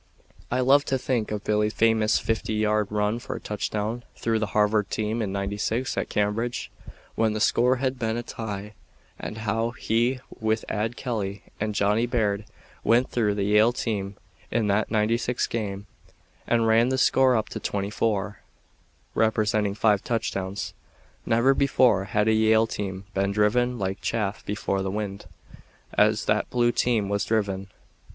I love to think of Billy's famous fifty yard run for a touchdown through the Harvard team in '96 at Cambridge, when the score had been a tie, and how he with Ad Kelly and Johnny Baird went through the Yale team in that '96 game and ran the score up to 24, representing five touchdowns. Never before had a Yale team been driven like chaff before the wind, as that blue team was driven.